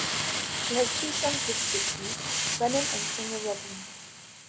She has two sons with Thicke, Brennan and singer Robin.